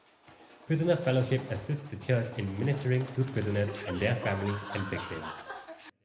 Prison Fellowship assists the church in ministering to prisoners and their families and victims.